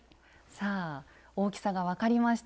さあ大きさが分かりました。